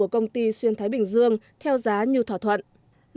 công ty xuyên thái bình dương đã ký hợp đồng chuyển nhượng cổ phần theo giá như thỏa thuận